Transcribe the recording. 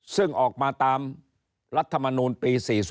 ซึ่งออกมาตามรัฐมนูลปี๔๐๕๐เนี่ย